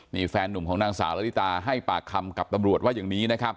นี่แฟนหนุ่มของนางสาวละลิตาให้ปากคำกับตำรวจว่าอย่างนี้นะครับ